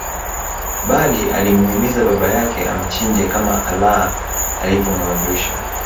Bali alimuhimiza baba yake amchinje kama Allah alivyomuamrisha